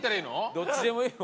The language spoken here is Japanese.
どっちでもいいよ